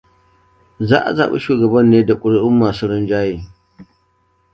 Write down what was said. Za a zabi shugaban ne da kuri'un masu rinjaye.